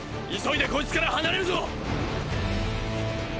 ⁉急いでこいつから離れるぞ！